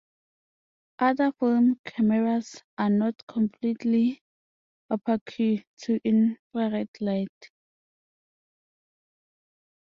Other film cameras are not completely opaque to infrared light.